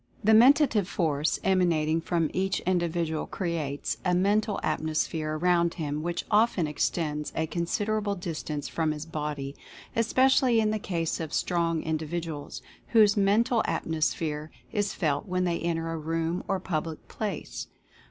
The Mentative Force emanating from each indi vidual creates a Mental Atmosphere around him which often extends a considerable distance from his body, especially in the case of strong individuals, whose Mental Atmosphere is felt when they enter a room or public place.